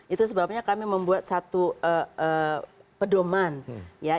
itu sebabnya kami membuat satu pedoman ya